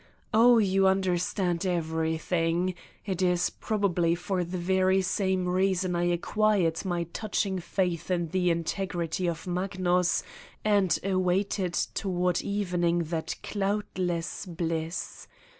Oh, you understand every thing. It is probably for the very same rea 212 Satan's Diary son I acquired my touching faith in the integrity of Magnus and awaited toward evening that cloud less bliss.